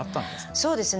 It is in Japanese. そうですね